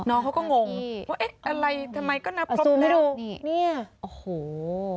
น้องเขาก็งงว่าอะไรทำไมก็นับพร้อมแล้ว